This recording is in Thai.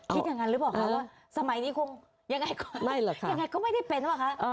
คิดอย่างนั้นหรือเปล่าคะว่าสมัยนี้คงยังไงก็ไม่ได้เป็นหรอกคะ